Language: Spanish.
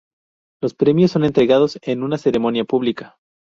Los premios son entregados en una ceremonia pública.